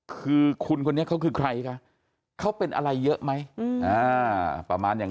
คือคุณคนนี้เขาคือใครคะเขาเป็นอะไรเยอะไหมประมาณอย่าง